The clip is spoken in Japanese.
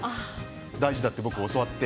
大事だって僕は教わって。